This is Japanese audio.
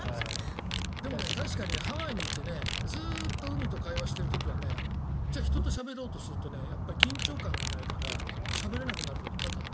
でも確かにハワイにいてずっと海と会話をしている時にはじゃあ、人としゃべろうとするとやっぱり緊張感がないからしゃべれなくなる時が多々ある。